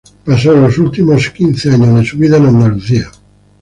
Pasó los últimos años quince años de su vida en Andalucía.